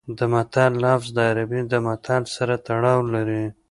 د متل لفظ د عربي د مثل سره تړاو لري